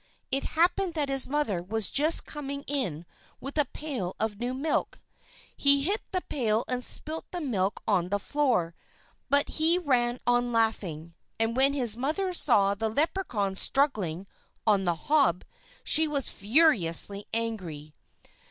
It happened that his mother was just coming in with a pail of new milk. He hit the pail and spilt the milk on the floor, but he ran on laughing. And when his mother saw the Leprechaun struggling on the hob, she was furiously angry.